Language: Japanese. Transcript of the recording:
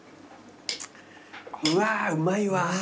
うわーうまいわ。